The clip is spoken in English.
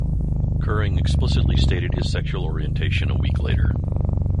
Koering explicitly stated his sexual orientation a week later.